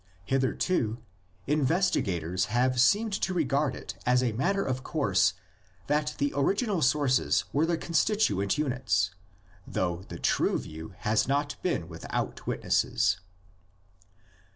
Hitherto investigators have seemed to regard it as a matter of course that the original sources were the constituent units, though the true view has not been without witnesses.